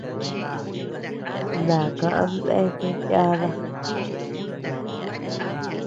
Naka ama deakea yáda.